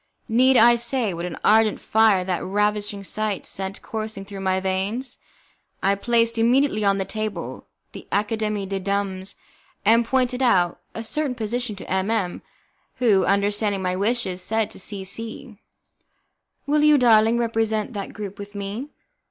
Need I say what an ardent fire that ravishing sight sent coursing through my veins? I placed immediately on the table the Academie des Dames, and pointed out a certain position to M M , who, understanding my wishes, said to C C : "Will you, darling, represent that group with me?"